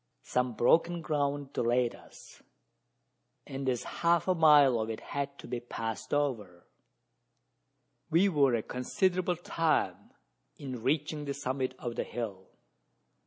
Some broken ground delayed us; and as half a mile of it had to be passed over, we were a considerable time in reaching the summit of the hill.